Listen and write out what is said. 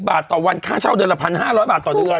บาทต่อวันค่าเช่าเดือนละ๑๕๐๐บาทต่อเดือน